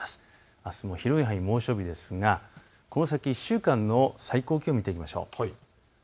あすも広い範囲で猛暑日ですがこの先１週間の最高気温を見ていきましょう。